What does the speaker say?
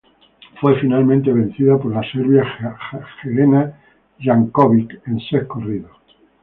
Fue finalmente vencida por la serbia Jelena Jankovic en sets corridos.